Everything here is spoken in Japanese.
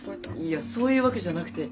いやそういうわけじゃなくて。